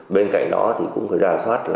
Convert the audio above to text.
bên cạnh đó cũng ra soát